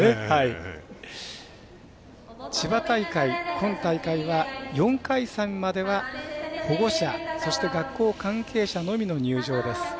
千葉大会、今大会は４回戦までは保護者そして、学校関係者のみの入場です。